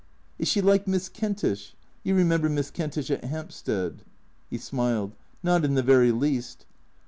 "Is she like Miss Kentish? You remember Miss Kentish at Hampstead ?" He smiled. " Not in the very least."